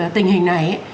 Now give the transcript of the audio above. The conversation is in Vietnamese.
tình hình này